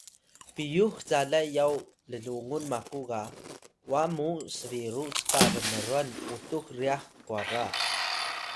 piyux calay yaw llungun maku ga wa mu sbiru cka bnrwan utux ryax kwara